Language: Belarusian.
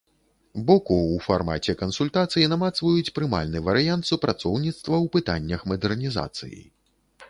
Боку ў фармаце кансультацый намацваюць прымальны фармат супрацоўніцтва ў пытаннях мадэрнізацыі.